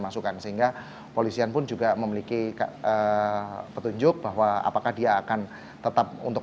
masukan sehingga polisian pun juga memiliki petunjuk bahwa apakah dia akan tetap untuk